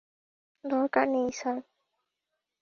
দরকার নেই, - স্যার!